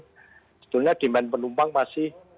sebetulnya demand penumpang masih